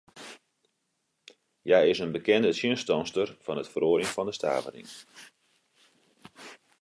Hja is in bekende tsjinstanster fan it feroarjen fan de stavering.